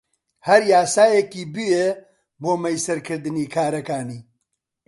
هەر یاسایەکی بوێ بۆ مەیسەرکردنی کارەکانی